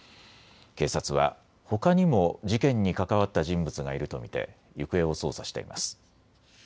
警察はほかにも事件に関わった人物がいると見て行方を捜査しています。